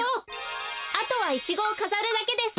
あとはイチゴをかざるだけです。